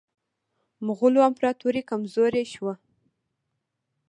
مغولو امپراطوري کمزورې شوه.